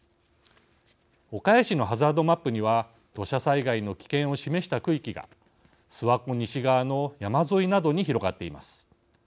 岡谷市のハザードマップには土砂災害の危険を示した区域が諏訪湖西側の山沿いなどに広がっています。